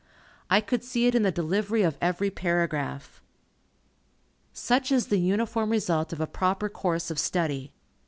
I could see it in the delivery of every paragraph. Such is the uniform result of a proper course of study.